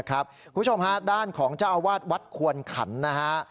คุณผู้ชมฮะด้านของเจ้าอาวาสวัดควนขันนะฮะ